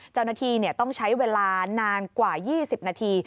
เจ้าหน้าที่ต้องใช้เวลานานกว่า๒๐นาที